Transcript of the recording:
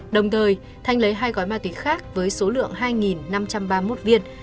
đồng thời thanh lấy hai gói ma túy khác với số lượng hai năm trăm ba mươi một viên